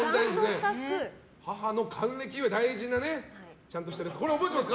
母の還暦祝い大事なちゃんとしてるやつ。